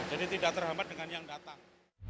jadi tidak terhambat dengan yang datang